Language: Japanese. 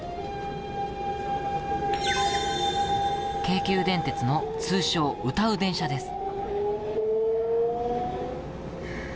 京急電鉄の通称、歌う電車です。